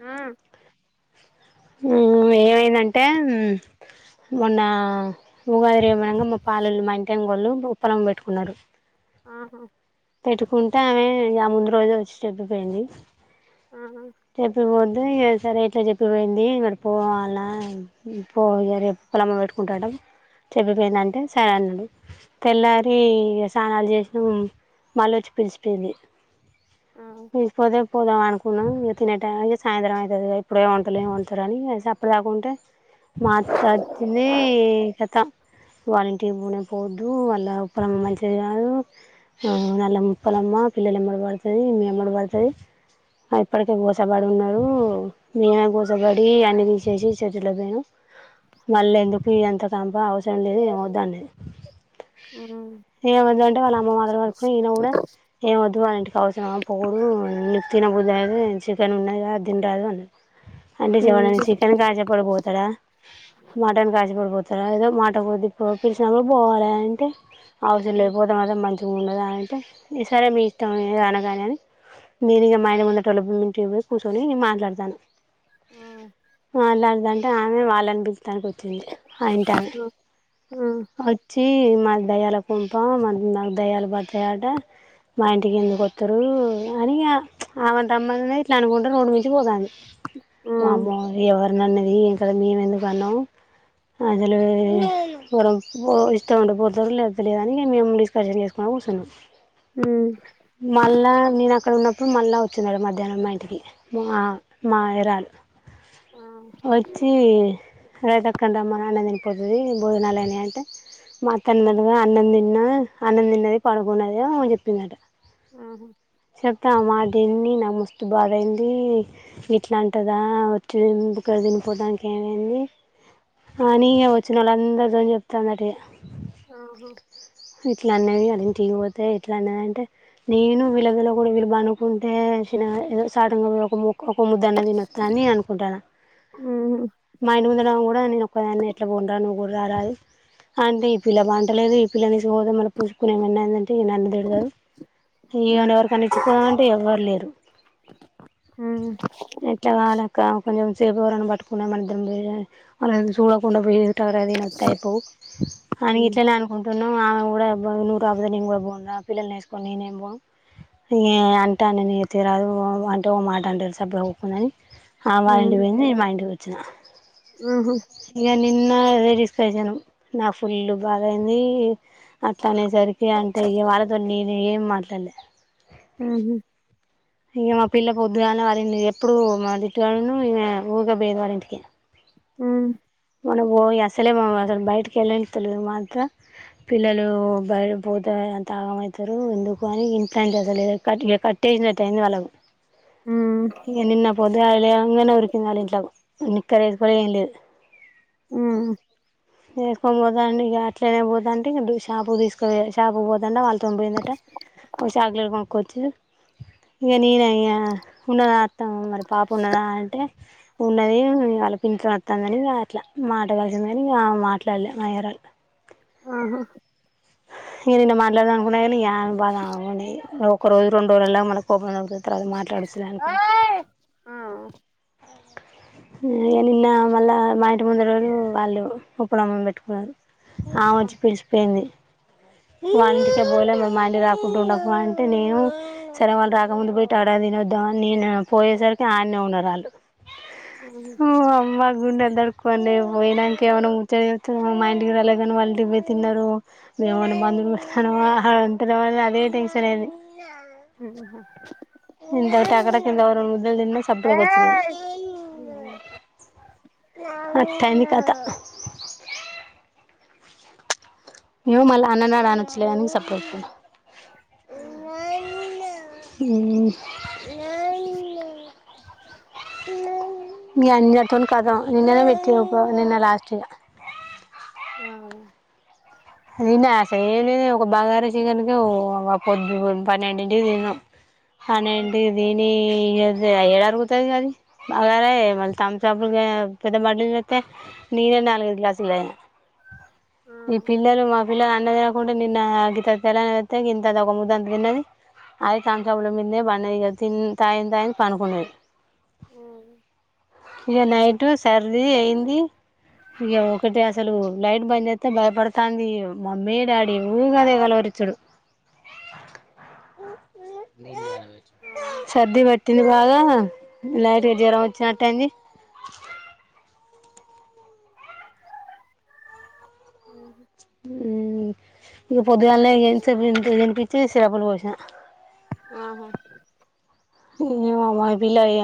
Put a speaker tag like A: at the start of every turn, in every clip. A: ఆ
B: ఏమైందంటే మొన్న ఉగాది రేమనంగా ముప్పాలోలు, మా ఇంటి ఎంగ్ గోళ్ళు ఉప్పలం పెట్టుకున్నారు.
A: ఆహా
B: పెట్టుకుంటే ఆమె ఆ ముందు రోజు వచ్చి చెబ్బిపోయింది.
A: ఆహా
B: సరే ఎట్లా చెప్పిపోయింది, మరి పోవాల పో ఇగ రేపు పొలమ పెట్టుకుంటాటం, చెప్పిపోయింది అంటే సరే అన్నాడు.
A: ఉమ్
B: తెల్లారి ఇగ స్ స్నానాలు చేసినాం మల్లొచ్చి పిలిచపోయింది
A: ఆ
B: ఇ పదే ప్ పోదాం అనుకున్నాం ఇగ తినే టైమ్ కి సాయంత్రం అయితది గా ఇప్పుడేం వంటలు ఏం వండుతారు, అని ఇగ సప్పుడ్ గాకుంటే మా అత్త వచ్చింది. ఖాతం వాళ్ల ఇంటికి పోనే పోవద్దు, వాళ్ల ప్రమ్ మంచిది కాదు, నల్ల ముప్పలమ్మ పిల్లల ఎంబడీ పడ్తది, మీ ఎంబడి పడ్తది అయి పుడి. ఇం గోసబడి ఉన్నాడు మేనా గోసబడి అన్ని ది చేసి చర్చి లో పోయినాం మళ్ళీ ఎందుకు ఇది అంత కంప అవసరం లేదు, ఏమోద్ అన్నది
A: ఉమ్
B: ఏమ వద్ అంటే వాళ్ళ అమ్మ మాటలు పట్టుకొని ఈయన కూడా ఏమ వద్దు వాళ్ళ ఇంటి. అవసరమా పోవుడు నిప్ తిన బుద్ది దయి తే చికెన్ ఉన్నాది గా అది దిన్ రాదు అనా అంటే ఎవడన్నా
A: ఉమ్
B: చికెన్ కి ఆశపడి పోతాడ, మటన్ కి ఆశపడి పో. తరా ఏదో మాట కొద్దీ పో పిలిచినప్పుడు పోవాలి అంటే అవసరం లే
A: ఉమ్
B: పోతే మాత్రం మంచ్ దు ఉండదు అని అంటే, ఈ సరే మీ ఇష్టం అన గాని అని మీరు ఇంగా మా ఇన్ని ముంగటోళ్ బూ న్. టేబుల్స్ కూర్చొని మాట్లాడతాన
A: ఆ ఆ
B: మాట్లాడదంట ఆ మే వాలన్ బి తానికి వచ్చింది ఆ ఇంటి ఆమె
A: ఆ
B: వచ్చి మాద్ దయ్యాళ్ బ్ కొంప మరి నాక్ దయ్యాల్ బట్ త్తేయట మా ఇంటికి ఎందుకొత్తరు అని ఇగ ఆమె ని రమ్మన ని అనుకుంటా రోడ్డుమీదికి పోతాంది
A: ఆ,
B: వామ్మో ఏవర్ అవున్ నన్నది [unintelligible] మేము నన్నది ఏం కదా మేం ఎందుకు అన్నాం. అసలు పోరాం పో ఇష్టం ఉంటే పోతారు లేకపోతే లేదు, అని మేము డిస్కర్షన్ చేసుకుని కూసున్నం.
A: ఉమ్
B: మళ్ళ నేను అక్కడ ఉన్నప్ ఇప్పుడు మళ్ళ వచ్చినాడు మధ్యాహ్నం మా ఇన్ టికి మా మా ఎరాల్
A: ఆ
B: వచ్చి రజితక్కని రమ్మను అన్నం తిని పోతది, భోజనాలు అయినాయి అంటే మా అత్త అన్నదటగా అన్నం తిన్న అన్నం తిన్నది పడుకున్నది ఏమో చెప్పిందట.
A: ఆహా
B: చెప్తా మా దీన్ని నా ముస్ మస్తు బాధయింది ఇట్లా అంటదా వచ్చి ఇంటికాడ తిని పోతానికి ఏమైంది, అని ఇగ వచ్చినోళ్ల అందరితోని చెప్తందటె.
A: ఆహా
B: ఇట్లా అన్నది గాని టికి పోతే ఇట్లా నా అంటే నేను వీళ్ళ విళ కూడా వీల్ పనుకుంటే పోయినా ఏదో సాటుంగ పోయి ఒక మోక్ ఒ ఓ ముద్దన్న తినోత్త అని అనుకుంటాన,
A: ఉమ్
B: మా ఇంటి ముందట ఆమె కూడ్ నేనొక్కదాన్నే ఎట్లా బోనురా నువ్వు కూడా రా రాదు, అంటే ఈ పిల్ల బంట లేదు ఈ పిల్లను తీసుక పోతే పూసుకున్న ఏమన్నా అయిందన్. ఏ నన్ను తిడతారు ఈ ఎవరికన్నా ఇచ్చి పోదామంటే ఎవ్వరు లేరు.
A: ఉమ్
B: ఎట్ల గావలక్క కొంచెం సేపు ఎవరన్న పట్టుకున్న మన ఇద్దరం పోయే మల్ల చూడకుండా పోయి. తలకాయ తిని ఒత్తే అయిపోవ్ అని
A: ఉమ్
B: ఇట్లనే అనుకుంటు నువ్వు ఆమె కూడా ఎవరు నువ్వు రాపోతే నేను కూడా పోను రా పిల్లల్ని వేసుకొని నేనేం పోను ఇగ అంటే అననీదు తీయరాదు అంటే ఓ మాట అంటారు సప్పుడు ఒప్పునని ఆమె వాళ్ళ ఇంటికి
A: ఉమ్
B: పోయింది ఈమె మా ఇంటికి పోయింది చ
A: ఆహ
B: ఇగ నిన్న అదే డిస్కషను నాకు ఫుల్లు బాధయింది అట్లా అనేసరికి అంటే ఇగ వాళ్ళతో నేను ఏం మాట్లాడలే
A: ఊహూ
B: ఇగ మా పిల్ల పొద్దుగాల్నె వాళ్ళింటికి ఎప్పుడు మాదిట్టుగాడును ఈమె ఊకే పోయేది వాళ్ళ ఇంటికి
A: హ్మ్
B: మనం పోయి అసలే మనం అసలు బయటికి ఎల్లనిత్తలే మాఅత్త పిల్లలు బయట పోత అంత ఆగమవుతారు ఎందుకు అని ఇంటంటలే అసలే కట్ ఇ కట్టేసినట్ అయింది వాళ్ళకు
A: ఉమ్
B: ఇగ నిన్న పొద్దునేళ లేవంగానే ఉరికింది వాళ్ళింట్లకు ఉన్ని కర్రీస్ కూడా ఏం లేదు
A: హ్మ్
B: ఏసుకొని పోతాండు ఇక అట్లనే పోతాంటె డు షాపుకి తీసుకో షాపుకు పోతాండా వాళ్ తో పోయిందట ఒక చాక్లెట్ కొనుక్కొచ్చి చిలు ఇక నేనయ్యా ఉన్నద ఆర్తం మరి పాప ఉన్నదా అంటే ఉన్నదీ ఇయాల పింఛన్ వత్తాందనీ ఇగ అట్లా మాట కలిసింది కానీ ఆమ్ మాట్లాడలే మాయరళ్
A: ఆహా
B: ఏదైనా మాట్లాడదాం అనుకున్నా కానీ యా [unintelligible] ఒకరోజు రెండు రోజులల్లా మనకి [unintelligible] తరువాత మాట్లాడొచ్చులె అనుకున్న
A: ఓయ్ ఆ
B: నిన్న మళ్ళా మా ఇంటి ముంద రోళూ వాళ్ళు ఉపనామం పెట్టుకున్నారు
A: ఆ
B: ఆమెవచ్చి పిలిసిపోయింది మా ఇంటికే పోలే మే మా ఆ ఇంటికి రాకుంటూ ఉండకు అంటే నేను, సరే వాళ్ళు రాకముందు పోయిట్ ఆడె తినొద్దాంవని నేను పోయేసరికి ఆయడన్నె ఉన్నారు వాళ్ళు
A: ఉమ్
B: ఓ అమ్మా గుండె తడుక్పోయింది పోయనానికి ఏమైనా ముచ్చట చె చెప్తున్నా ఏమో మా ఇంటికి రాలేదు వాళ్ళ ఇంటికి పోయి తిన్నారు ఏమన్నా మందులు పెడతన్నావా అని అంటారేమో అదే టెన్షన్ అయింది
A: ఉమ్
B: ఇందాకట టకటకా రెండు ముద్దలు తిన్నా సబ్లోకి
A: ఏయ్
B: వచ్చినాయ్
A: ఉమ్
B: అట్టయింది కత మేము మళ్ళ అన్ననాడు అనొచ్చు లే అని సర్పెట్టుకునం
A: ఉహు
B: ఊమ్. మీ అన్యతో ఖతం నిన్ననే పెట్టిఉండ్రు నిన్న లాస్ట్ ఇగ
A: ఆ
B: అది తిన్న అసల్ ఒక బగారా చికెన్ ఒక పొద్దు పన్నెండింటికి తిన్నాం పన్నెంటికి దినీ ఎబ్బే ఏడఅరుగుతది అది బగారై మళ్లీ థమ్సపులు పెద్ద బాటిల్ తెత్తే నెనే నాలుగైదు గ్లాసులు తాగినా
A: ఆ
B: ఇప్ పిల్లది అన్నం తినకుండ నిన్న గింత తెలానం ఏతే ఇంత ది ఒక ముద్దంత తిన్నది అది థమ్స్ అప్ ల మిన్ బన్నది ఇగ తాగింది తాగింది పనుకున్నది
A: ఉమ్
B: ఇక నైట్ సర్ది అయింది ఇక ఒకటె అసలు లైట్ బంద్ చేతే భయపడుత్ తంది మమ్మీ డాడీ డి
A: ఆ
B: ఊగాదే కలవరిచ్చుడు [unintelligible] సర్ది పెట్టింది కాగా లైట్ గా జ్వరం వచ్చి నట్టైంది
A: ఉమ్
B: ఊ ఇగ పొద్దుగాల్నే ఏం చెప్ టీ [inaudible] చీ సరపలు ఓసిన
A: ఆహా
B: ఈమ మగ పిల్ల ఏ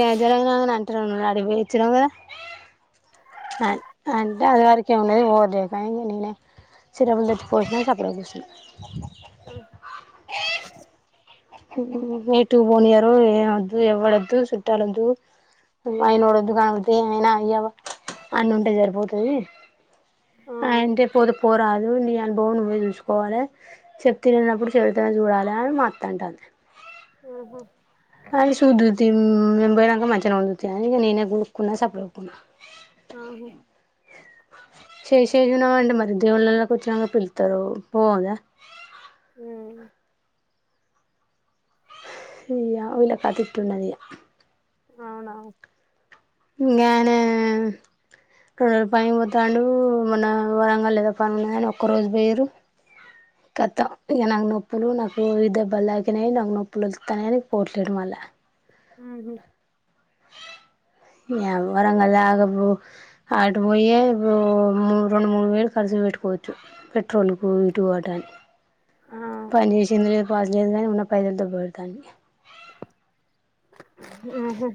B: ఇగ [unintelligible] [inaudible] ఆడి కిఓయి వచ్చినావ్ కదా [unintelligible]
A: అ
B: ఉమ్ ఇ టు బోనియారు ఏనద్దు ఎవ్వడోద్దు చుట్టలొద్దు అయినోడద్దు కాకపోతే ఏమైనా అయ్యవ అన్ ఉంటే జరిపోదు అయి
A: ఆ
B: అంటే పోతే పోరాదు నే అనుభవం నువ్వే చూసుకోవాలే చెప్తే ఇననపుడు చెవితో నే చూడాలే అని మా అత్త అంటంది
A: ఆహా
B: అది శుద్దుతిన్ మేం పోనాక మంచానే కూర్చున్నది అందుకే నేనే గునుకున్న సప్డీగా కూసున్నా
A: ఆహ
B: [unintelligible]
A: ఉ
B: యా వీళ్ళ పద్దతి ఉన్నది
A: అవునవును
B: ఇంకా ఆయన రెండు వేలు పని పోతాడు మొన్న వరంగల్ లో ఏదో పని ఉన్నని ఒక్క రోజు పోయరు కతం ఇంక నాకు నొప్పులు నాకు ఇ దెబ్బలు తాకినాయి నాకు నొప్పులు వాన్నాని పోట్లేయడం మళ్ళ
A: ఆ
B: ఏ వరంగల్ ఆగపో అటు బోయి రెండు మూడు వేలు కర్చు పెట్టుకోవచ్చు పెట్రోల్కు ఇటు వాటని
A: ఆ
B: పని వేషంద లేద గాని పైసలుతో బరదని
A: ఆహా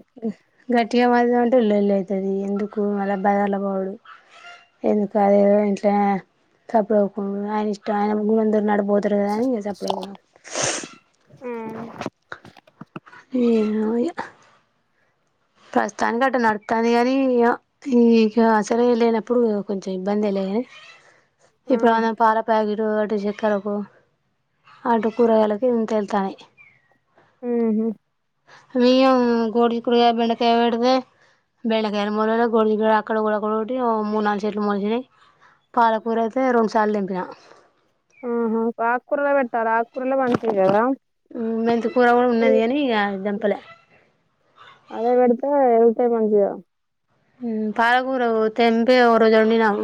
B: గట్ ఇ మాది అంటే ఇల్లుల్ళ అవుతుంది ఎందుకు మళ్ళబ్ బదల పోడు ఎందుకు అదేదో ఇంట్లో తప్పులు అవ్వకుం ఆయన ఇష్టం ఆయనందరు నడపు పోతురు గాని
A: ఆ
B: ఏ ప్రస్తుతానికి అట్ట నడుతుంది కాగాని ఇక అసలు లేనప్పుడు కొంచెం ఇబ్బంది వె లే కాని
A: ఆ
B: ఇప్పుడు పాల ప్యాకెట్ అటు చక్కరకు అటు కూరగాయలలకు త వెళ్తాను
A: ఉ హ్మ్
B: అ గోడి కుడి బండ తపెడితే బెండకాయలు మూల గడి అక్కడ కూడాక్కడ ఒకటి మూడు నాలుగు చెట్లు మూలిసినయి పాలకూర అయితే రెండుసార్లు దింపిన
A: ఆహా ఆకూరల పెట్టాల ఆకూరల మంచిద కదా
B: మెంత కూర కూడా ఉన్నది అని ఇక దంపలే
A: మంచియా
B: పాలకూర తెంపి ఒక రోజు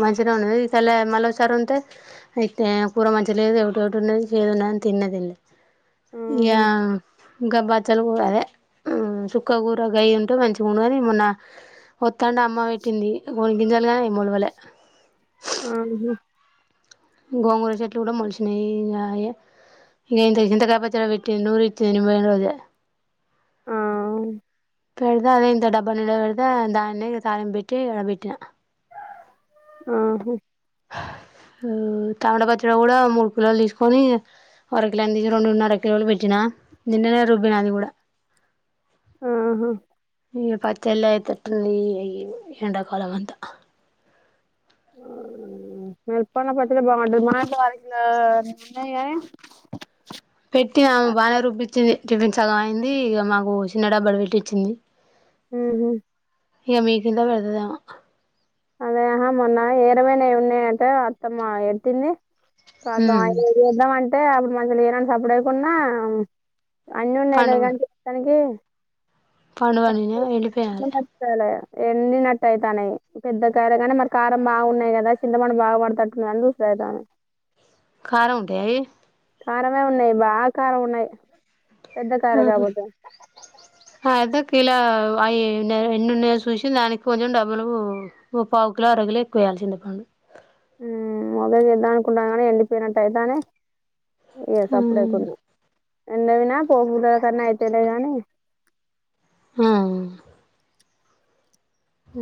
B: మంచిగా ఉన్నది ఇకల్ల మళ్ళీ ఒకసారి ఉంటే కూర మంచి లేదు ఒకటి ఒకటి ఉన్నది చేది ఉన్నదిని తిన్నదిడి
A: ఆహా
B: యా ఇంకా బచ్చలు కూ అదే సుక్క కూూరగాయ ఉంటే మంచి ఉనుగాని ఏ మొన్న వత్తాంటే అమ్మ పెట్టింది కొన్ని గంజాలుగానే మూలవలే
A: ఆహ
B: గోంగర చెట్లు కూడా మలిచినయి ఇ ఇ చింతకాైపచ వెట్టి నూరు ఇ నిద
A: ఆ
B: పెడుతే అదే ఇంత డబ్బా ని పెడుదా దాన్న తాయం పోయిటుడ పోయి
A: ఆహ
B: తామడా పచ్చడి కూడా మూడు కిలోలు తీసుకొని అర కిలోని తీసి రెండున్నర కిలోలు పెట్టినా నిన్ననే రుబ్బిన అది కూడా
A: ఆహా
B: ఈ పచ్చళయితే ఎట్టుండయి ఎండాకాలం అంతా
A: మరుప్పనే పత బాగుంట మా వరకుల నిన్న
B: పెట్టినా బాగానే రూబ్బించింది టిఫిన్స్గ అయింది ఇక మాకు చిన్న డబ్బా పెట్టించిింది
A: హ్మ్
B: ఇక మీకుందా పెడతదేమో
A: అదేహా మొన్న ఏరమైనావి ఉన్నాయంటే అత్తమ్మ ఎతింది కదా
B: ఉమ్
A: ఏదేదో అే అప్పుడు మంచిలు ఏనా సపడేకుడా అన్నిీ ఉన్నాయిలే కానీ చేస్తానికి
B: పడు పనిిన వెళ్ళపోయాాల
A: ఎన్నినట్టు అయితాన పెద్ద కయార కాని మరి కారం బాగున్నాయి కదా చింతమనం బాగు పడుతట్టున్నా అని చూసర అతాన్ని
B: కర ఆడి ఏ
A: కారమే ఉన్నాయి బాగా కారం ఉన్నాయి పెద్ద కారు
B: ఆహా
A: కాబతే
B: అయితే కిలో అవి ఎన్నన్న చూసి దానికి కొంచెం డబ్బులు పావు కిలో అర కలో ఎక్కువేయాల్సింది పండు
A: మొద చేద్దా అనుకుంటాను కాని వెళ్ళిపోయినట్టటు అయితేనే ఏస్ప్పుడే
B: ఉమ్
A: కొ ఎందు వినా పోకల కన్నా అయితేనే గానీ
B: ఆ
A: హ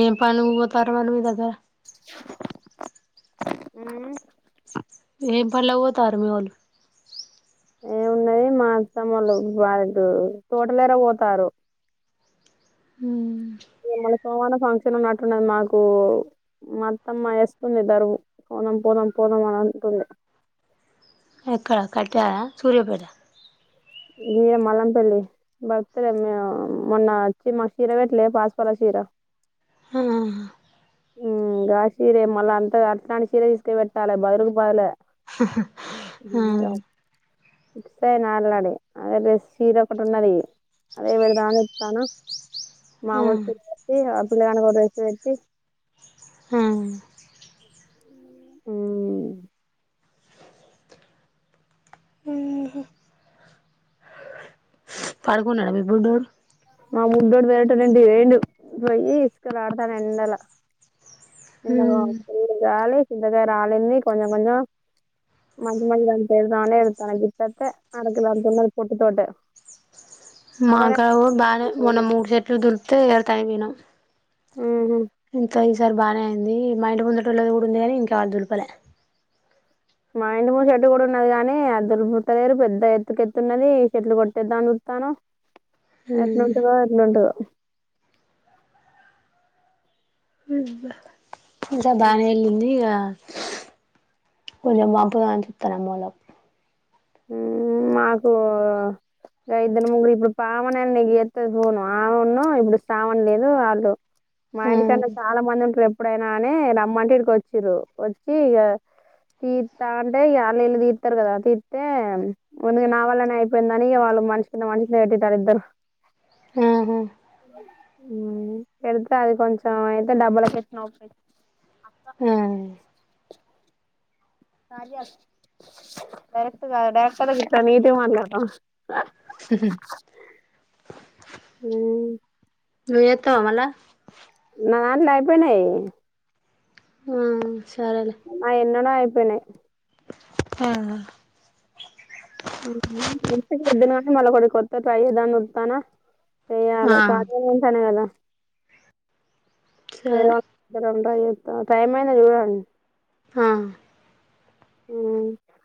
B: ఏం పని పోతరవాళ మీ దగ్గర
A: అ
B: ఏఫళ్ళ త ఆర్ మీ వొళ్ళు
A: ఏమున్నది మాస వాళ్ళు వాారికి తోటలేర పోతారు
B: హ
A: సోమాన ఫంక్షన్ ఉన్నట్టున్నది మాకు మొత్తమ్మ వేస్తుందిద్దరు కోనం పోదాం పోదాం అని అంటుంది
B: ఎక్కడ కట్ట్యాల సూర్యాపేట
A: గీర మల్లంపల్లి బడుతులే మే మొన్న వచ్చి మాకు కీర పెట్టలే పాచి కలర్ చీర
B: ఆ హా
A: ఉమ్ గా చీరే మళ్ళా అంత అంత కాని చీర తీసుక పెట్టాలి బదులుకి బదులే
B: ఆహా
A: అయ నలాడి అదే ర చీర ఒకటి ఉన్నది అదే పెడదాం అని చప్తన్న
B: ఆ
A: మామూలు చీర పెట్టి ఆ పిల్లకాన కూడా డ్రెస్స్ పెట్టి
B: ఆ
A: ఉమ్
B: పడుకున్నాడ మీ బుడ్డోడు
A: మా బుడ్డోడు వెళ్రట రండి రేండు పోయిండు పోయి ఇసుకలో అడత్తాండు ఎండలా ఎండలో గాలీ చింతకాయారు రాలింది కొంచెం కొంచం మజు మజదా పెరిదా ఎతున కిట్టతే అడకులన్నది పొట్టి తోటె
B: మాకా బాలే మొన మూడు సెట్లు దుడుత తా వినం
A: మ్మ్హ్
B: ఎంతయి ఈసారి బానే అయింది మా ఇంటి ముందుటోళ్ళది కూడా ఉంది కాని ఇంకా వాళ్ళు దులుపలే
A: మా ఇంటి ముందు షర్ట్ కూడా ఉన్నది కాగానీ అద్దలు పుట్టలేరు పెద్ద ఎత్తుక ఎత్తున్నది చెషర్ట్లు కొట్టేద్దాన్ని చస్తాను ఎట్లుంటందో ఎట్లుంటదో
B: ఉమ్ దా ఇంకా బానే వెళ్ళింది ఇగ కొంచెం మంపుగా అనిపిత్తాంది అన్నలకు
A: ఉమ్ మాకు ఇద్దరు ముగ్గురు ఇప్పుడు అ పావనని నీకు చేతది చూనావా అవును ఇప్పుడు శ్రావణ్ లేదు ఆళ్ళు మా ఇంటికన్నా చాలా మంది ఉంటారు ఎప్పుడై నానే రమ్మంటే ఇడికి వచ్చిరు వచ్చి ఇక టీ తా అంటే ఇగ అళ్ళు ఇళ్ళు తీర్తారు కదా తీర్ ఏ మేముంద నా వల్లనే అయిపోయింది అని వాళ్ళు మనష కింద మనషింద పెట్తారుద్దారు
B: ఉమ్ హు
A: ఉమ్ పెడితే అది కొంచెం అయితే డబ్బుల పెట్నా
B: ఆ
A: కా డైరెక్ట్ డైరెక్ట్ గా నీట్ గా మాట్లాడుతున్న
B: ఉమ్ హు
A: ఉమ్
B: నువ్ చేతవా మల్లా
A: నా దాంట్లో అయిపోయినాయి
B: ఉమ్ సరేలే
A: నిన్ననే అయిపోయినాయి
B: ఆహా
A: ద్దిన కానీ మళ కూడా కొత్త ట్రై దా ఉతానా
B: ఆ
A: చేయ్యలే కాల్ చేయిలు గుంజుతానేయ్ కదా వేరే
B: సరే
A: వాళ్ళు [inaudible] ట టైమయినదిగా
B: ఆ
A: అ